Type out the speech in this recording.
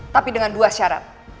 tapi dengan dua syarat